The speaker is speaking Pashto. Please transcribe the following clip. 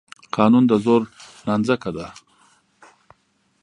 قانون د زور نانځکه ده.